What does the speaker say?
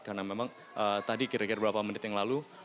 karena memang tadi kira kira beberapa menit yang lalu